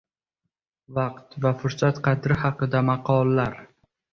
Vaqt va fursat qadri haqida maqollar.